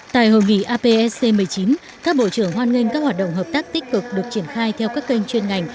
tại hội nghị apsc một mươi chín các bộ trưởng hoan nghênh các hoạt động hợp tác tích cực được triển khai theo các kênh chuyên ngành